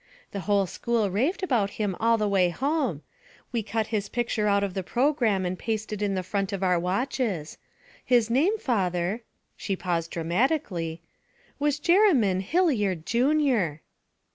The whole school raved about him all the way home; we cut his picture out of the programme and pasted in the front of our watches. His name, father' she paused dramatically 'was Jerymn Hilliard Junior!'